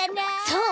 そう！